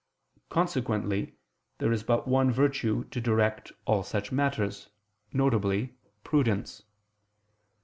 Consequently, there is but one virtue to direct all such matters, viz. prudence.